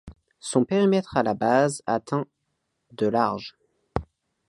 Son périmètre à la base atteint de large.